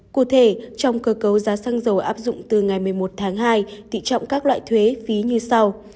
cụ thể trong cơ cấu giá xăng dầu áp dụng từ ngày một mươi một tháng hai tỷ trọng các loại thuế phí như sau